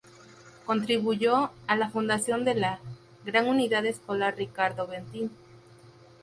Contribuyó a la fundación de la "Gran Unidad Escolar Ricardo Bentín".